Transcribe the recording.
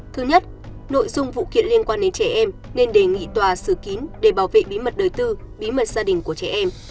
thứ nhất nội dung vụ kiện liên quan đến trẻ em nên đề nghị tòa xử kín để bảo vệ bí mật đời tư bí mật gia đình của trẻ em